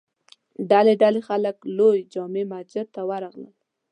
ډلې ډلې خلک لوی جامع مسجد ته ور راغلل.